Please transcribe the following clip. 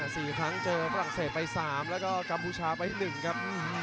สี่ครั้งเจอฝรั่งเศสไปสามแล้วก็กัมพูชาไปหนึ่งครับ